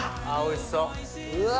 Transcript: あおいしそう！